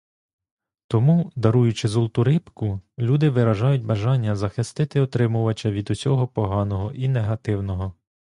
Тому, даруючи Золоту рибку, люди виражають бажання захистити отримувача від усього поганого і негативного.